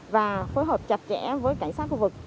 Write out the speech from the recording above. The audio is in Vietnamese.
và phối hợp chặt chẽ với cảnh sát khu vực